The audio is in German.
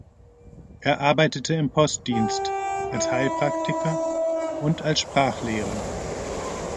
Er arbeitete im Postdienst, als Heilpraktiker und als Sprachlehrer.